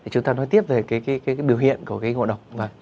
chúng ta nói tiếp về điều hiện của ngộ độc